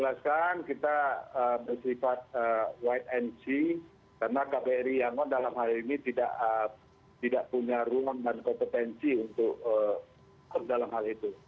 jelaskan kita bersifat white and see karena kbri yangon dalam hal ini tidak punya ruang dan kompetensi untuk dalam hal itu